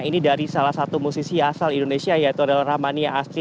ini dari salah satu musisi asal indonesia yaitu adalah rahmania astri